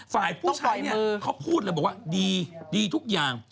ฝ่ายผู้ใช้เนี่ยเค้าพูดครึ่งว่าดีดีทุกอย่าง